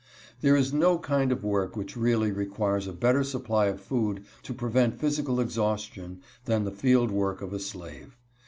There is no kind of work which really requires a better supply of food to prevent physical exhaustion than the field work of a slave.